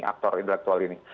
aktor intelektual ini